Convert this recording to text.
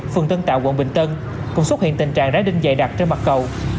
phường tân tạo quận bình tân cũng xuất hiện tình trạng đái đinh dày đặc trên mặt cầu